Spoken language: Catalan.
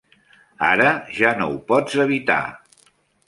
Ara ja no ho pots evitar.